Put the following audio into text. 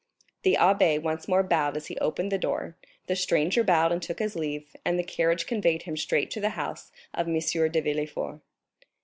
The abbé once more bowed as he opened the door, the stranger bowed and took his leave, and the carriage conveyed him straight to the house of M. de Villefort.